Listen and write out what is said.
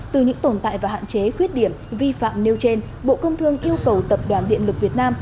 từ những tồn tại và hạn chế khuyết điểm vi phạm nêu trên bộ công thương yêu cầu tập đoàn điện lực việt nam